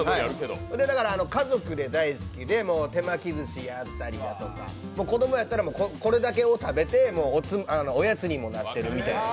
家族で大好きで、手巻きずしであったりとか子供やったらこれだけを食べておやつにもなっているみたいな。